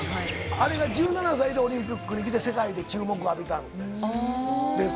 あれが１７歳でオリンピックに来て、世界で注目を浴びたんです。